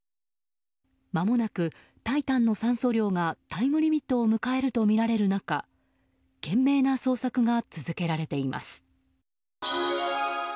まもなく「タイタン」の酸素量がタイムリミットを迎えるとみられる中懸命な捜索が続けられています。